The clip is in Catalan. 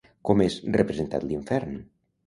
Com és representat l'infern?